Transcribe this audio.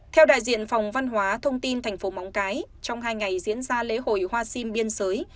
theo đại diện phòng văn hóa thông tin thành phố móng cái trong hai ngày diễn ra lễ hội hoa sim biên giới